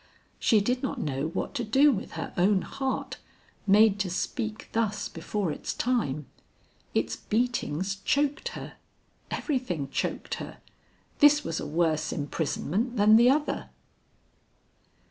She did not know what to do with her own heart, made to speak thus before its time; its beatings choked her; everything choked her; this was a worse imprisonment than the other.